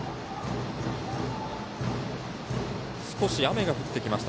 少し雨が降ってきました